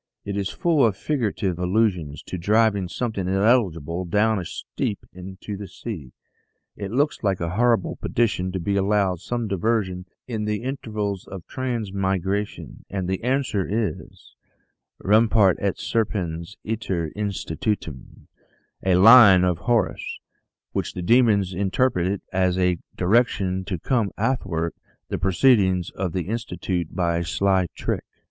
It is full of figurative allusions to driving something illegible down a steep into the sea. It looks like a humble petition to be allowed some diversion in the intervals of transmigration; and the answer is: " 'Rumpat et serpens iter institutum' a line of Horace, which the demons interpret as a direction to come athwart the proceedings of the Institute by a sly trick."